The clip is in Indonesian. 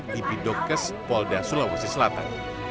di bidokes polda sulawesi selatan